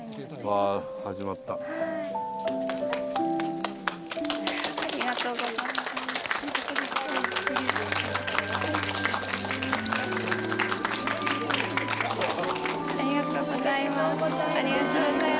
ありがとうございます。